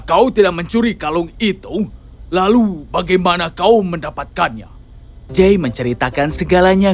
kau tidak mencuri kalung itu lalu bagaimana kau mendapatkannya jay menceritakan segalanya